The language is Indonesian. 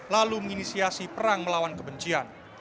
lalu menginisiasi perang melawan kebencian